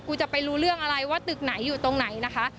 จะไปรู้เรื่องอะไรว่าตึกไหนอยู่ตรงไหนนะคะ